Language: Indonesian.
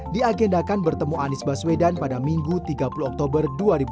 diagendakan bertemu anies baswedan pada minggu tiga puluh oktober dua ribu dua puluh